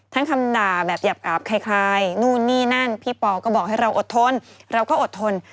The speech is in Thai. คำด่าแบบหยาบคล้ายนู่นนี่นั่นพี่ปอก็บอกให้เราอดทนเราก็อดทน